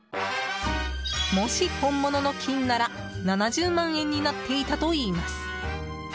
もし本物の金なら７０万円になっていたといいます。